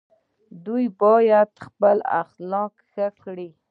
دوی باید خپل اخلاق ښه کړي.